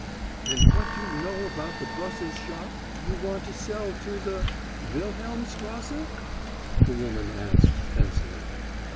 "And what you know about the Brussels shop you want to sell to the Wilhelmstrasse?" the woman asked tensely.